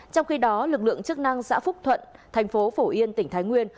trong khi đó lực lượng chức năng xã phúc thuận thành phố phổ yên tỉnh thái nguyên